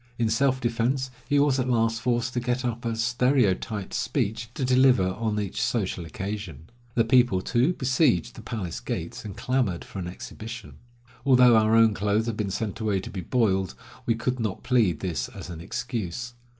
In self defense he was at last forced to get up a stereotyped speech to deliver on each social occasion. The people, too, besieged the palace gates, and clamored for an exhibition. Although our own clothes had been sent away to be boiled, we could not plead this as an excuse.